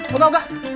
mau tau gak